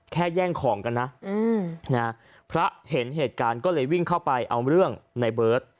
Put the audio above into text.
แย่งของกันนะพระเห็นเหตุการณ์ก็เลยวิ่งเข้าไปเอาเรื่องในเบิร์ต